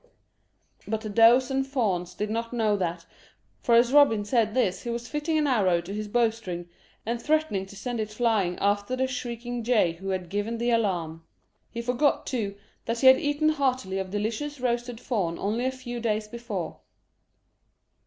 But the does and fawns did not know that, for as Robin said this he was fitting an arrow to his bow string, and threatening to send it flying after the shrieking jay which had given the alarm. He forgot, too, that he had eaten heartily of delicious roasted fawn only a few days before.